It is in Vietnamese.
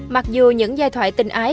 mặc dù những giai thoại tình ái